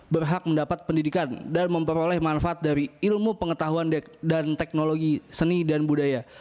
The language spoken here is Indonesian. berhak mendapat pendidikan dan memperoleh manfaat dari ilmu pengetahuan dan teknologi seni dan budaya